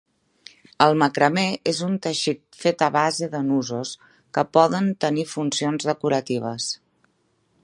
El macramé és un teixit fet a base de nusos, que poden tenir funcions decoratives.